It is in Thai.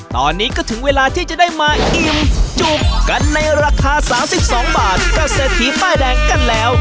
ตอนนี้ก็ถึงเวลาที่จะได้มาอิ่มจุกกันในราคา๓๒บาทกับเศรษฐีป้ายแดงกันแล้ว